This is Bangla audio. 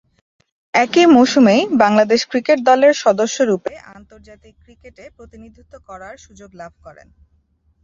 একই মৌসুমেই বাংলাদেশ ক্রিকেট দলের সদস্যরূপে আন্তর্জাতিক ক্রিকেটে প্রতিনিধিত্ব করার সুযোগ লাভ করেন।